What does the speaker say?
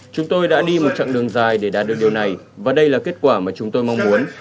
chúng tôi đã đi một chặng đường dài để đạt được điều này và đây là kết quả mà chúng tôi mong muốn